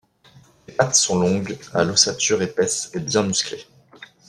Les pattes sont longues, à l'ossature épaisse et bien musclées.